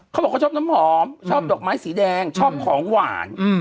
เขาบอกเขาชอบน้ำหอมชอบดอกไม้สีแดงชอบของหวาน